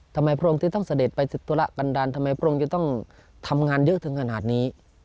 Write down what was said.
พระองค์ที่ต้องเสด็จไปตุระกันดันทำไมพระองค์จะต้องทำงานเยอะถึงขนาดนี้